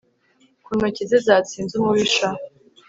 Ku ntoki ze zatsinze umubisha